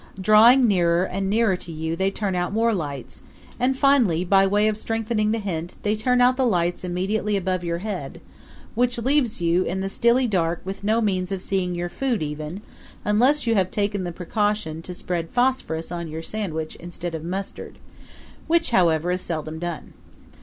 Drawing nearer and nearer to you they turn out more lights; and finally, by way of strengthening the hint, they turn out the lights immediately above your head, which leaves you in the stilly dark with no means of seeing your food even; unless you have taken the precaution to spread phosphorus on your sandwich instead of mustard which, however, is seldom done.